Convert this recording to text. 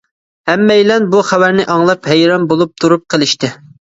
ھەممەيلەن بۇ خەۋەرنى ئاڭلاپ ھەيران بولۇپ تۇرۇپ قېلىشتى.